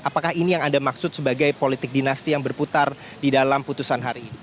apakah ini yang anda maksud sebagai politik dinasti yang berputar di dalam putusan hari ini